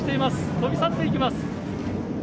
飛び去っていきます。